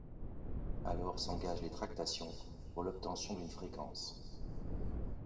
Alors s’engagent les tractations pour l’obtention d’une fréquence.